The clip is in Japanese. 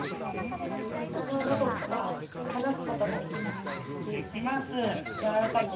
このロボットははなすことができますか？